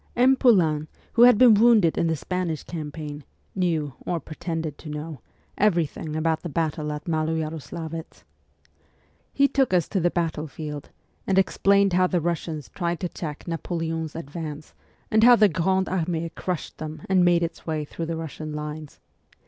M. Poulain, who had been wounded in the Spanish campaign, knew, or pretended to know, every thing about the battle at Maloyaroslavetz. He took us to the battlefield, and explained how the Russians tried to check Napoleon's advance, and how the Grande Armee crushed them and made its way through the Russian lines.